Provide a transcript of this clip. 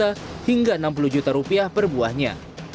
dan harga tas ini juga berharga sekitar enam puluh juta rupiah per buahnya